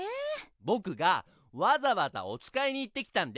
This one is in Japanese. ボクがわざわざおつかいに行ってきたんです。